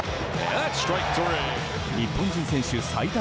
日本人選手最多